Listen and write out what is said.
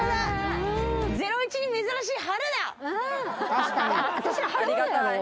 『ゼロイチ』に珍しい晴れだ！